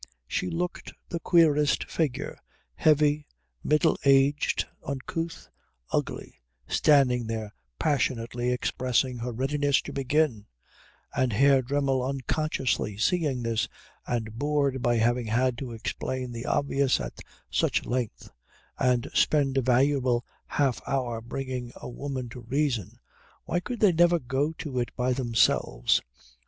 She looked the queerest figure, heavy, middle aged, uncouth, ugly, standing there passionately expressing her readiness to begin; and Herr Dremmel unconsciously seeing this, and bored by having had to explain the obvious at such length and spend a valuable half hour bringing a woman to reason why could they never go to it by themselves?